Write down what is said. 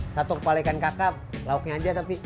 satu kepala ikan kakap lauknya aja tapi